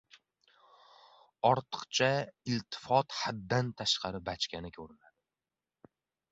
Ortiqcha iltifot haddan tashqari bachkana ko‘rinadi.